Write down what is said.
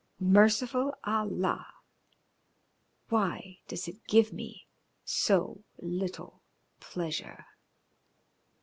Merciful Allah! Why does it give me so little pleasure?"